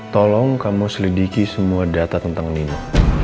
tolong kamu selidiki semua data tentang ini